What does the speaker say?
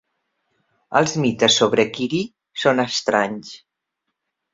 Els mites sobre Quirí són estranys.